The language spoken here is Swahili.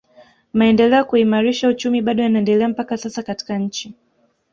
Maendeleo ya kuimarisha uchumi bado yanaendelea mpaka sasa katika nchi